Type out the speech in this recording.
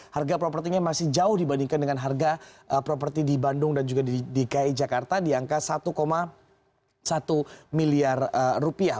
harga propertinya masih jauh dibandingkan dengan harga properti di bandung dan juga di dki jakarta di angka satu satu miliar rupiah